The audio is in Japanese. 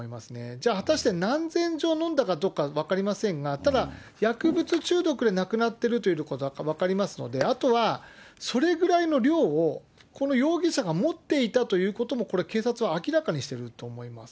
じゃあ果たして何千錠飲んだかどうか分かりませんが、ただ、薬物中毒で亡くなってるということは分かりますので、あとはそれぐらいの量を、この容疑者が持っていたということも、これ警察は明らかにしてると思います。